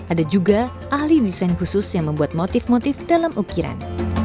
ada juga ahli desain khusus yang membuat motif motif dalam ukiran